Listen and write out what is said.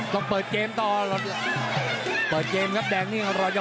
ต้องเปิดเกมต่อเปิดเกมนี่แดงไม่ล่ะ